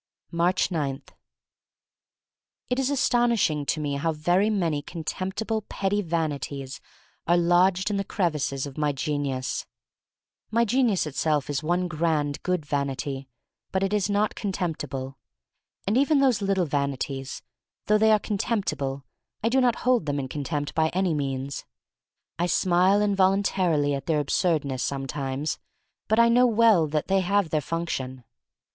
I Aatcb 9. T IS astonishing to me how very many contemptible, petty vanities are lodged in the crevices of my genius. My genius itself is one grand good vanity — but it is not contemptible. And even those little vanities — though they are contemptible, I do not hold them in contempt by any means. I smile involuntarily at their absurdness sometimes, but I know well that they have their function.